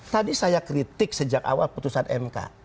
tadi saya kritik sejak awal putusan mk